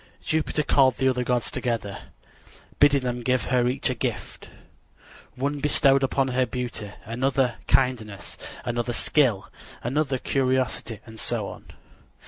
Jupiter called the other gods together, bidding them give her each a gift. One bestowed upon her beauty, another, kindness, another, skill, another, curiosity, and so on.